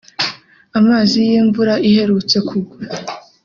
Amazi y’imvura iherutse kugwa